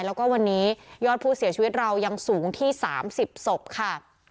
แล้วก็วันนี้ยอดผู้เสียชีวิตเรายังสูงที่๓๐ศพค่ะ